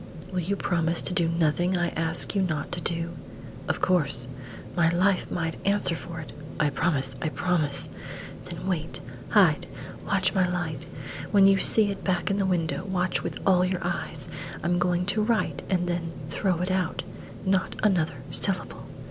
"Will you promise to do nothing I ask you not to do?" "Of course." "My life might answer for it " "I promise I promise." "Then wait hide watch my light. When you see it back in the window, watch with all your eyes! I am going to write and then throw it out. Not another syllable!"